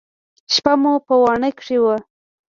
شپه مو په واڼه کښې وه.